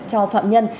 cho phạm nhân